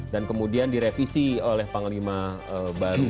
dan kemudian direvisi oleh panglima baru